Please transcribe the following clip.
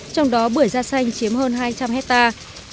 trong đó bưởi da xanh chiếm hơn hai trăm linh hectare